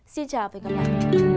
xin chào và hẹn gặp lại